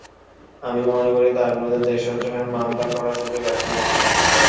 আমি মনে করি, তাঁর বিরুদ্ধে দেশদ্রোহের মামলা করার সুযোগ এখনো আছে।